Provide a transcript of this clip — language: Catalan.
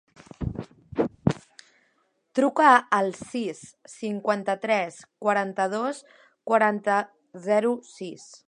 Truca al sis, cinquanta-tres, quaranta-dos, quaranta, zero, sis.